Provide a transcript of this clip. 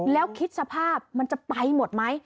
แล้วคิดสภาพมันจะไปหมดไหม